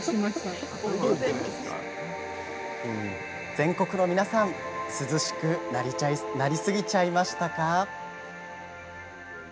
全国の皆さん涼しくなりすぎちゃいましたか？